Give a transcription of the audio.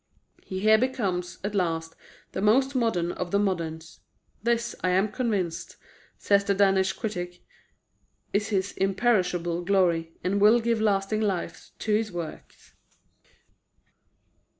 He here becomes, at last, "the most modern of the moderns." "This, I am convinced," says the Danish critic, "is his imperishable glory, and will give lasting life to his works."